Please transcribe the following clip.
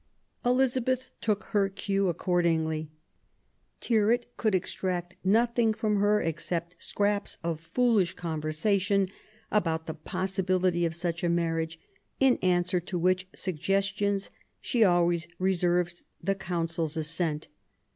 Elizabeth took her cue accordingly. Tyrwhit could extract nothing from her except scraps of foolish conversation about the possibility of such a marriage, in answer to which suggestions she always reserved the Council's assent.